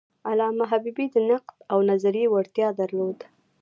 علامه حبیبي د نقد او نظریې وړتیا درلوده.